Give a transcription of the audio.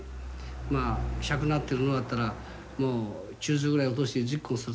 まあ１００なってるのがあったらもう９０ぐらい落として１０個にするとね